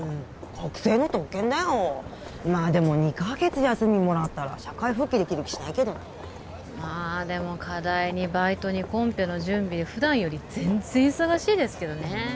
学生の特権だよまあでも２カ月休みもらったら社会復帰できる気しないけどねまあでも課題にバイトにコンペの準備で普段より全然忙しいですけどね